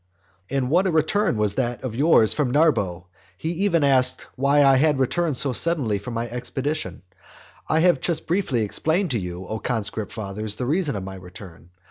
And what a return was that of yours from Narbo? He even asked why I had returned so suddenly from my expedition. I have just briefly explained to you, O conscript fathers, the reason of my return.